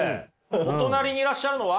お隣にいらっしゃるのは？